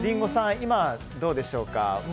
今どうでしょうか？